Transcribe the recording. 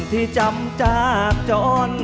ที่จำจากจร